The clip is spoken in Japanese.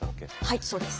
はいそうです。